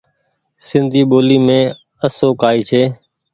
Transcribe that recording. سندي ٻولي مين آسو ڪآئي ڇي۔